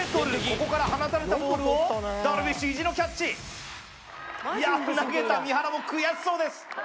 ここから放たれたボールを樽美酒意地のキャッチ投げた三原も悔しそうです